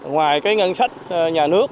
ngoài cái ngân sách nhà nước